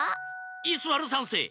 イスワル３せい！